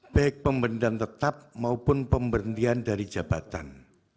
baik pemberhentian tetap maupun pemberhentian dari jabatan